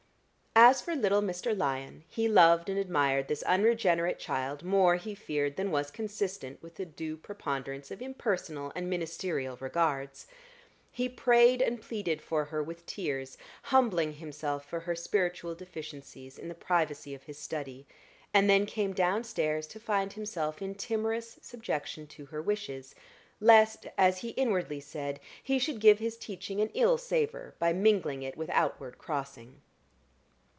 As for little Mr. Lyon, he loved and admired this unregenerate child more, he feared, than was consistent with the due preponderance of impersonal and ministerial regards: he prayed and pleaded for her with tears, humbling himself for her spiritual deficiencies in the privacy of his study; and then came down stairs to find himself in timorous subjection to her wishes, lest, as he inwardly said, he should give his teaching an ill savor, by mingling it with outward crossing.